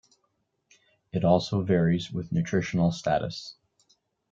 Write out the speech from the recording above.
It also varies with nutritional status.